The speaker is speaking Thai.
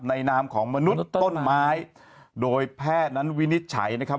นามของมนุษย์ต้นไม้โดยแพทย์นั้นวินิจฉัยนะครับ